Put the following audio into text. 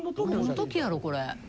何の時やろこれ？